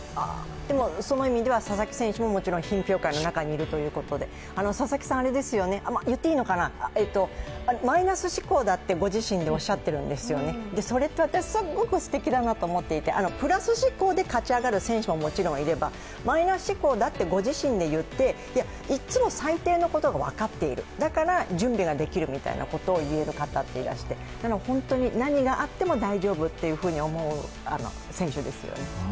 でも、その意味では佐々木選手も品評会の中にいるということで佐々木さん、言っていいのかなマイナス思考だってご自身でおっしゃっているんですよね、それが私、すごくすてきだなと思っていてプラス思考で勝ち上がる選手ももちろんいればマイナス思考だってご自身で言っていつも最低のことが分かっている、だから準備ができるみたいなことが言える方って、本当に何があっても大丈夫というふうに思う選手ですよね。